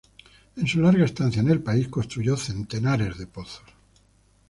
En su larga estancia en el país, construyó centenares de pozos.